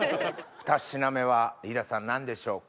ふた品目は飯田さん何でしょうか？